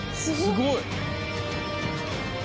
すごい！